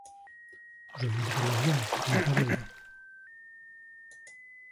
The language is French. Je voudrais le voir, lui parler.